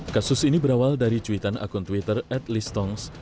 kasus ini berawal dari cuitan akun twitter adlistongs